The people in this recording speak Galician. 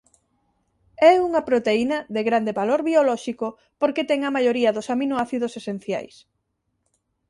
É unha proteína de grande valor biolóxico porque ten a maioría dos aminoácidos esenciais.